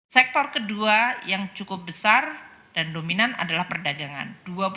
sektor kedua yang cukup besar dan dominan adalah perdagangan